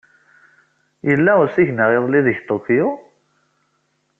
Yella usigna iḍelli deg Tokyo?